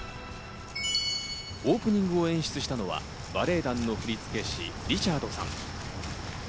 オープニングを演出したのはバレエ団の振付師、リチャードさん。